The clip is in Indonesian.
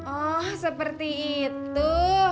oh seperti itu